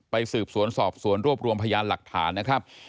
สืบสวนสอบสวนรวบรวมพยานหลักฐานนะครับ